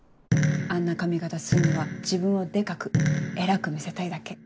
あんな髪形すんのは自分をデカく偉く見せたいだけ。